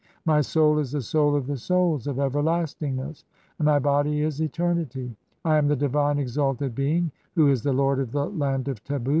My soul is "the Souls of the souls (15) of everlastingness, and my body is "eternity. I am the divine exalted being who is the lord of the "land of Tebu.